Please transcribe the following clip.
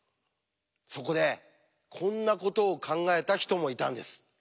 そこでこんなことを考えた人もいたんです。